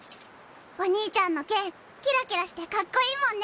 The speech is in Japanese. お兄ちゃんの剣キラキラしてかっこいいもんね。